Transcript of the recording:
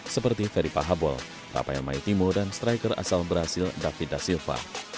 seperti ferry pahabol rafael maetimo dan striker asal brazil david da silva